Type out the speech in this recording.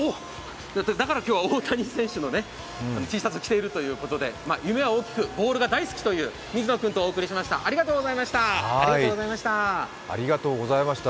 だから今日は大谷選手のＴシャツを着ているということで夢は大きく、ボールが大好きという水野君とお送りしました。